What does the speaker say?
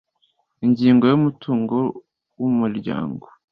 Ingingo y Umutungo w Umuryango